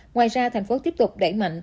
ngoài ra thành phố tiếp tục đẩy mạnh